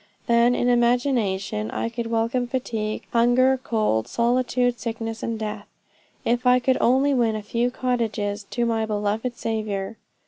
Then in imagination, I could welcome fatigue, hunger, cold, solitude, sickness and death, if I could only win a few cottagers to my beloved Saviour."